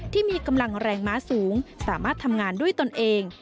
ที่มีกำลังแรงม้าสูงสามารถทำงานด้วยตนเอง